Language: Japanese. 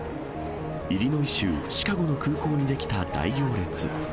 イリノイ州シカゴの空港に出来た大行列。